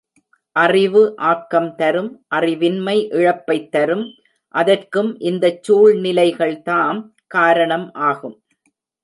அறிவு ஆக்கம் தரும் அறிவின்மை இழப்பைத் தரும் அதற்கும் இந்தச் சூழ்நிலைகள்தாம் காரணம் ஆகும்.